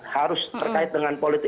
harus terkait dengan politik